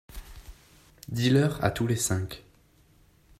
Dis leur à tous les cinq.